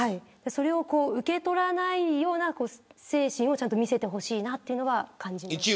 それを受け取らないような精神をちゃんと見せてほしいというのを感じます。